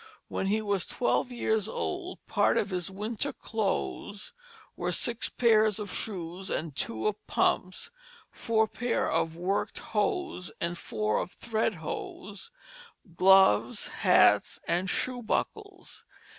When he was twelve years old part of his "winter cloathes" were six pair of shoes and two of pumps, four pair of worked hose and four of thread hose, gloves, hats, and shoe buckles.